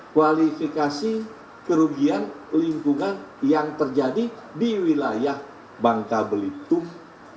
kualifikasi kerugian lingkungan yang terjadi di wilayah bangka belitung